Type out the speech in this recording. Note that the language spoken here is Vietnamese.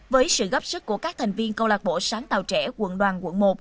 với sự góp sức của các thành viên câu lạc bộ sáng tạo trẻ quận đoàn quận một